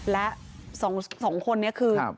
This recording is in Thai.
และสองคนนี้คือ